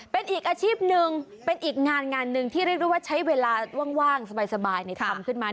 เป็นอีกอาชีพหนึ่งเป็นอีกงานงานหนึ่งที่เรียกได้ว่าใช้เวลาว่างสบายทำขึ้นมา